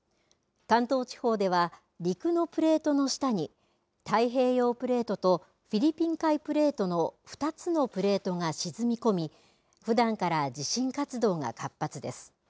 関東地方では陸のプレートの下に太平洋プレートとフィリピン海プレートの２つのプレートが沈み込みふだんから地震活動が活発です。